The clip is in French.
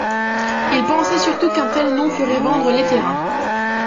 Il pensait surtout qu'un tel nom ferait vendre les terrains.